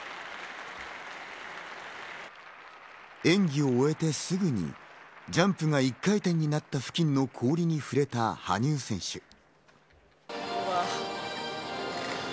演技を終えてすぐに、ジャンプが１回転になった付近の氷に触れた羽生選手。